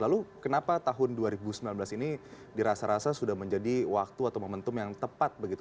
lalu kenapa tahun dua ribu sembilan belas ini dirasa rasa sudah menjadi waktu atau momentum yang tepat begitu